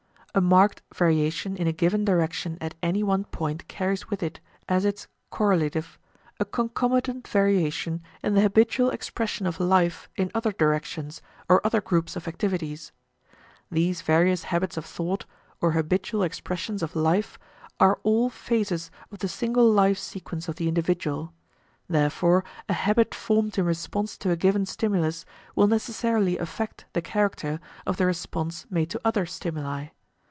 A marked variation in a given direction at any one point carries with it, as its correlative, a concomitant variation in the habitual expression of life in other directions or other groups of activities. These various habits of thought, or habitual expressions of life, are all phases of the single life sequence of the individual; therefore a habit formed in response to a given stimulus will necessarily affect the character of the response made to other stimuli.